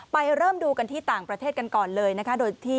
เริ่มดูกันที่ต่างประเทศกันก่อนเลยนะคะ